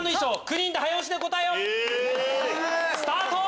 スタート！